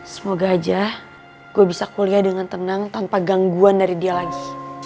semoga aja gue bisa kuliah dengan tenang tanpa gangguan dari dia lagi